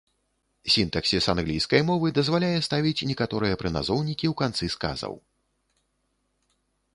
Сінтаксіс англійскай мовы дазваляе ставіць некаторыя прыназоўнікі ў канцы сказаў.